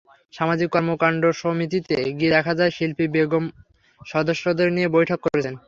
সামাজিক কর্মকাণ্ডসমিতিতে গিয়ে দেখা যায়, শিল্পী বেগম সদস্যদের নিয়ে বৈঠক করছেন।